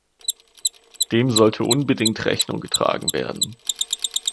Dem sollte unbedingt Rechnung getragen werden.